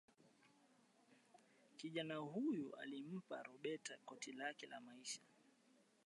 kijana huyo alimpa roberta koti lake la maisha